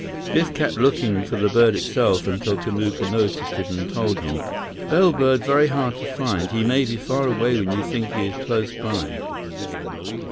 Biff kept looking for the bird itself until Kamuka noticed it and told him: "Bellbird very hard to find. He may be far away when you think he is close by."